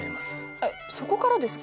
えっそこからですか？